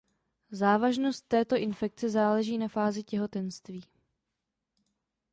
Závažnost této infekce záleží na fázi těhotenství.